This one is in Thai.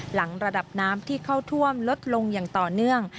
หลังระดับน้ำที่เข้าท่วมลดลงอย่างต่อเนื่อง